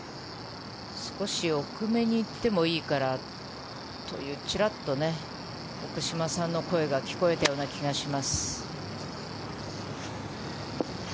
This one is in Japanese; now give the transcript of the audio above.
少し奥めに行ってもいいからというちらっと奥嶋さんの声が聞こえたような気がします。